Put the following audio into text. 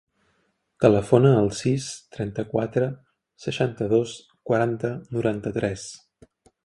Telefona al sis, trenta-quatre, seixanta-dos, quaranta, noranta-tres.